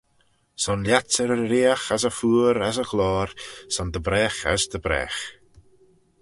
Son lhiats y reeriaght, as y phooar, as y ghloyr, son dy bragh as dy bragh.